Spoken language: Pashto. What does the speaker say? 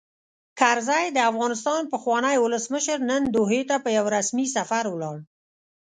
کرزی؛ د افغانستان پخوانی ولسمشر، نن دوحې ته په یوه رسمي سفر ولاړ.